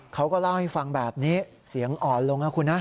เขาก็เล่าให้ฟังแบบนี้เสียงอ่อนลงนะคุณนะ